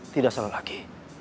tidak salah lagi